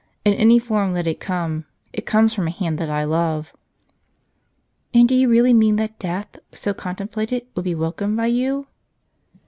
In any form let it come ; it comes from a hand that I love." "And do you really mean that death, so contemplated, would be welcomed by you?"